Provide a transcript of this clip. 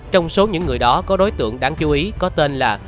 trong số những người đó có đối tượng đáng chú ý có tên là